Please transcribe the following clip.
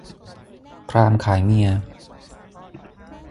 พราหมณ์ขายเมีย